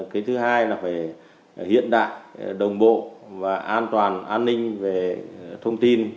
cái thứ hai là phải hiện đại đồng bộ và an toàn an ninh về thông tin